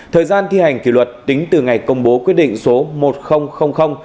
thời gian thi hành kỷ luật tính từ ngày công bố quyết định số một nghìn